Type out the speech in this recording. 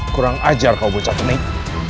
kurang ajar kau bocah penik